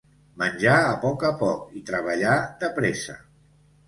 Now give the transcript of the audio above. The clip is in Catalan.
Menjar a poc a poc i treballar de pressa.